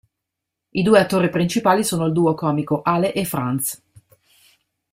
I due attori principali sono il duo comico Ale e Franz.